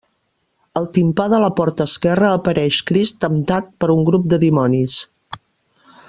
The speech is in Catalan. Al timpà de la porta esquerra apareix Crist temptat per un grup de dimonis.